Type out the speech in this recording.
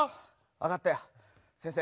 分かったよ先生。